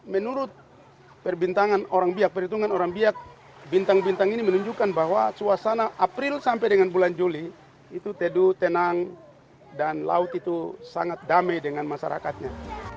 menurut perbintangan orang biak perhitungan orang biak bintang bintang ini menunjukkan bahwa suasana april sampai dengan bulan juli itu teduh tenang dan laut itu sangat damai dengan masyarakatnya